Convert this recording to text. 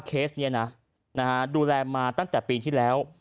เคสนี้นะดูแลมาตั้งแต่ปีที่แล้ว